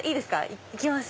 行きます！